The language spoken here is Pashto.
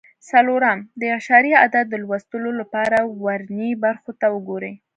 څلورم: د اعشاري عدد د لوستلو لپاره ورنیي برخو ته وګورئ.